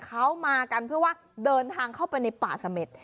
เขามากันเพื่อว่าเดินทางเข้าไปในป่าเสม็ด